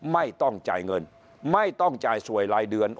ไม่ต้องจ่ายเงินไม่ต้องจ่ายสวยรายเดือน